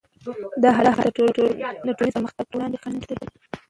دا حالت د ټولنیز پرمختګ پر وړاندې خنډ دی.